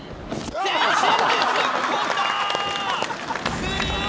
全身で突っ込んだ！